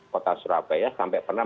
kota surabaya sampai pernah